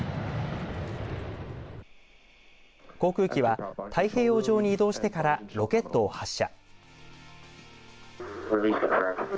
航空機は太平洋上に移動してからロケットを発射。